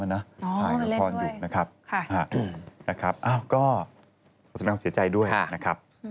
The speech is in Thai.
ถ่ายกับพ่ออยู่นะครับนะครับอ้าวก็ขอเสียใจด้วยนะครับพี่มาบ้าง